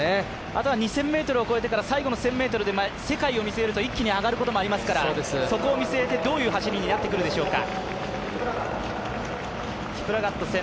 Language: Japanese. あとは２０００ｍを超えてから世界を見据えると一気に上がることがありますからそこを見据えて、どういう走りになってくるでしょうか。